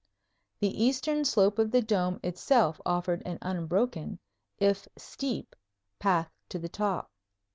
The eastern slope of the dome itself offered an unbroken, if steep, path to the top.